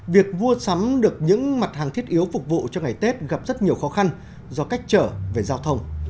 việc mua sắm được những mặt hàng thiết yếu phục vụ cho ngày tết gặp rất nhiều khó khăn do cách trở về giao thông